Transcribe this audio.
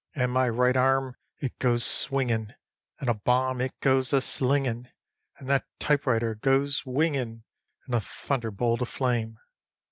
And my right arm it goes swingin', and a bomb it goes a slingin', And that "typewriter" goes wingin' in a thunderbolt of flame.